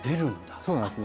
そうなんですね